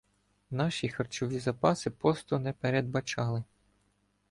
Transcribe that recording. Наші харчові запаси посту не передбачали.